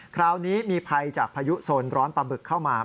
คราวนี้มีภัยจากพายุโซนร้อนปลาบึกเข้ามา